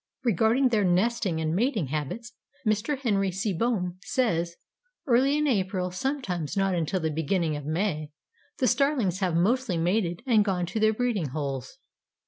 Regarding their nesting and mating habits Mr. Henry Seebohm says: "Early in April, sometimes not until the beginning of May, the Starlings have mostly mated and gone to their breeding holes.